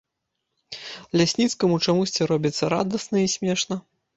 Лясніцкаму чамусьці робіцца радасна і смешна.